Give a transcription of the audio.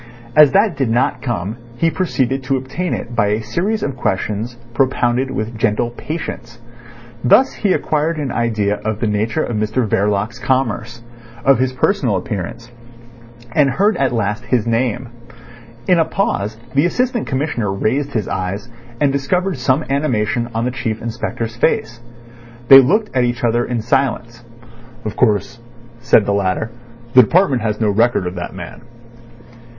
As that did not come he proceeded to obtain it by a series of questions propounded with gentle patience. Thus he acquired an idea of the nature of Mr Verloc's commerce, of his personal appearance, and heard at last his name. In a pause the Assistant Commissioner raised his eyes, and discovered some animation on the Chief Inspector's face. They looked at each other in silence. "Of course," said the latter, "the department has no record of that man."